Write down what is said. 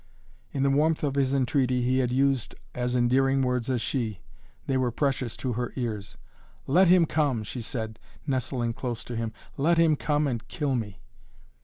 In the warmth of his entreaty he had used as endearing words as she. They were precious to her ears. "Let him come!" she said, nestling close to him. "Let him come and kill me!"